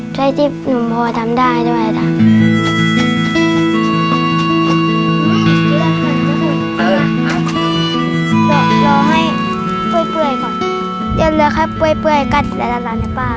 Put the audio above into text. ช่วยที่หนูพอทำได้ด้วยจ้ะ